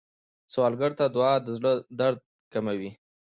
سوالګر ته دعا د زړه درد کموي